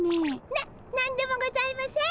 な何でもございません。